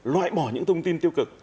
loại bỏ những thông tin tiêu cực